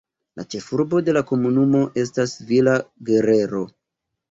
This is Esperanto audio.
La ĉefurbo de la komunumo estas Villa Guerrero.